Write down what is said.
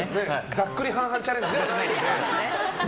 ざっくり半々チャレンジじゃないですから。